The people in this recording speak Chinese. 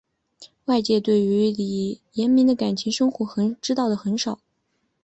外界对于李闰珉的感情生活知道的很少。